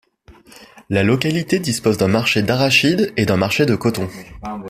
La localité dispose d'un marché d'arachide et d'un marché de coton.